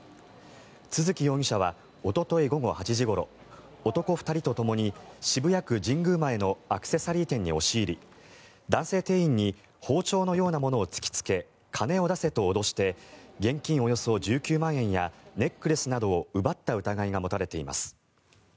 都築容疑者はおととい午後８時ごろ男２人とともに渋谷区神宮前のアクセサリー店に押し入り男性店員に包丁のようなものを突きつけ金を出せと脅して現金およそ１９万円やネックレスなどを奪った疑いが持たれています。